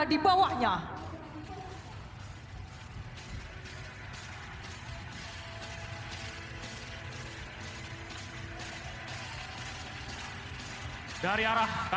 dibutuhkan kerjasama kita